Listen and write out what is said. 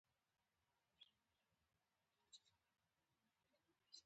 اساسي اقدام ونه شو.